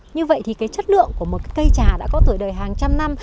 như vậy thì cái chất lượng của một cây trà đã có tuổi đời hàng trăm năm